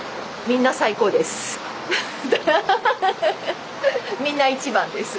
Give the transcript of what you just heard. みんな一番です。